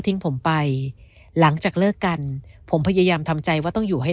ผมไปหลังจากเลิกกันผมพยายามทำใจว่าต้องอยู่ให้